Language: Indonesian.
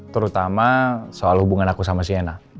terutama soal hubungan aku sama sienna